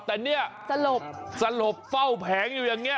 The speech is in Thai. แต่เนี่ยสลบสลบเฝ้าแผงอยู่อย่างนี้